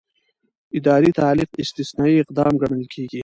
اداري تعلیق استثنايي اقدام ګڼل کېږي.